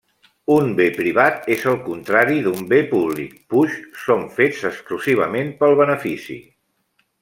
Un bé privat és el contrari d'un bé públic, puix són fets exclusivament pel benefici.